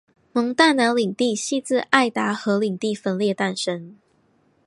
蒙大拿领地系自爱达荷领地分裂诞生。